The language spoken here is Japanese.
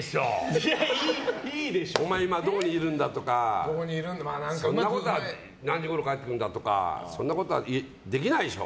お前、今どこにいるんだとか何時ごろ帰ってくるんだとかそんなことはできないでしょ！